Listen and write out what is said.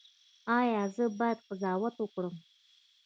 ایا زه باید قضاوت وکړم؟